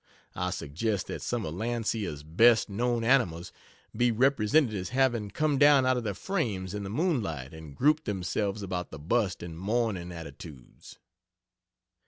I suggest that some of Landseer's best known animals be represented as having come down out of their frames in the moonlight and grouped themselves about the bust in mourning attitudes.